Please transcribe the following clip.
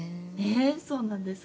えそうなんですか？